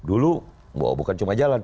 dulu bukan cuma jalan